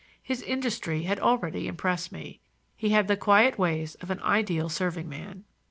His industry had already impressed me. He had the quiet ways of an ideal serving man.